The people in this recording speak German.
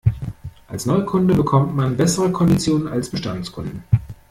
Als Neukunde bekommt man bessere Konditionen als Bestandskunden.